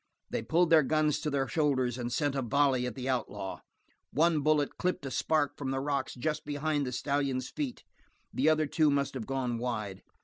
They pulled their guns to their shoulders and sent a volley at the outlaw. One bullet clipped a spark from the rocks just behind the stallion's feet; the other two must have gone wide.